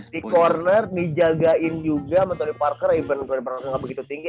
di corner dijagain juga sama tony parker even tony parker gak begitu tinggi